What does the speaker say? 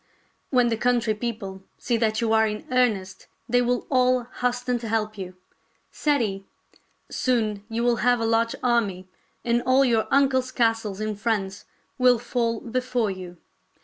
" When the country people see that you are in earnest they will all hasten to help you," said he. " Soon you will have a large army, and all your MO THIRTY MORE FAMOUS STORIES uncle's castles in France will fall before j'ou.